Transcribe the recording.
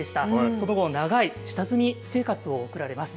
その後、長い下積み生活を送られます。